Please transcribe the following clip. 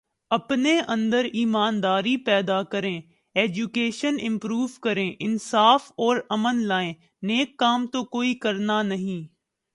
اپنے اندر ایمانداری پیدا کریں، ایجوکیشن امپروو کریں، انصاف اور امن لائیں، نیک کام تو کوئی کرنا نہیں